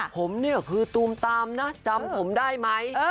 ผมเนี่ยคือตูมตามนะจำผมได้ไหม